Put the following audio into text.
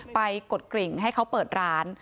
กดกริ่งให้เขาเปิดร้าน